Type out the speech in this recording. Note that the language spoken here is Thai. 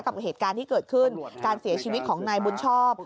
กับเหตุการณ์ที่เกิดขึ้นการเสียชีวิตของนายบุญชอบ